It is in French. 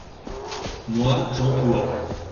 moi, j'entoure.